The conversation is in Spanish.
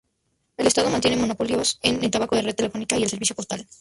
El Estado mantiene monopolios en el tabaco, la red telefónica y el servicio postal.